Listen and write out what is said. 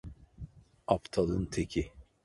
Aptalın teki.